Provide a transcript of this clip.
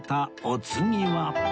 お次は